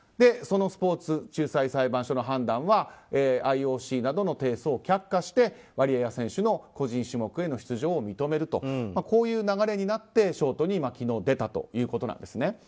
そのスポーツ仲裁裁判所の判断はＩＯＣなどの提訴を却下してワリエワ選手の個人種目への出場を認めるとこういう流れになってショートに昨日出たということなんですね。